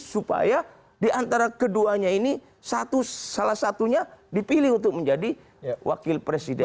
supaya diantara keduanya ini salah satunya dipilih untuk menjadi wakil presiden